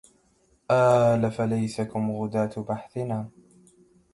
آل فلسيكم غداة بحثنا